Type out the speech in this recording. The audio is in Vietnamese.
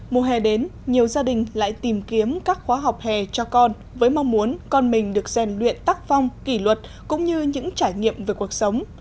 mùa hè đến nhiều gia đình lại tìm kiếm các khóa học hè cho con với mong muốn con mình được rèn luyện tắc phong kỷ luật cũng như những trải nghiệm về cuộc sống